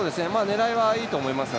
狙いはいいと思います。